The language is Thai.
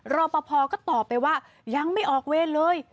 รอปภก็ตอบไปว่ายังไม่ออกเวรเลย